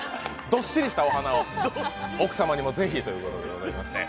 どっしりしたお花を奥様にもぜひということでございまして。